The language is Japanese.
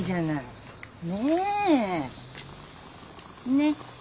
ねっ。